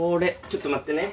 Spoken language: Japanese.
ちょっと待ってね。